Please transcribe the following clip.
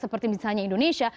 seperti misalnya indonesia